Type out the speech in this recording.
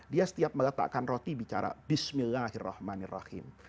dia setiap meletakkan roti bicara bismillahirrahmanirrahim